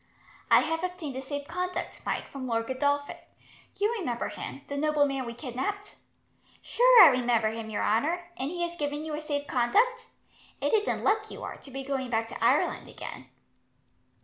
"I have obtained a safe conduct, Mike, from Lord Godolphin. You remember him, the nobleman we kidnapped?" "Sure I remember him, your honour; and he has given you a safe conduct? It is in luck you are, to be going back to Ireland again."